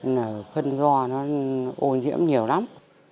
nên là khuân do nó ô nhiễm nhiều lắm